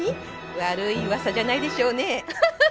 悪い噂じゃないでしょうね。